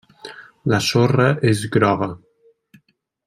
La sorra és groga.